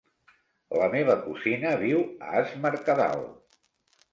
La meva cosina viu a Es Mercadal.